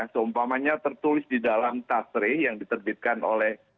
seumpamanya tertulis di dalam tasri yang diterbitkan oleh